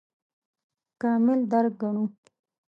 کامل درک ګڼو.